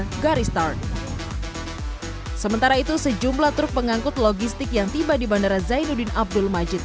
juga restart sementara itu sejumlah truk pengangkut logistik yang tiba di bandara zainuddin abdul majid